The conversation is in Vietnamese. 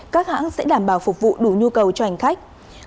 các hãng sẽ đảm bảo phục vụ đủ nhu cầu cho hành khách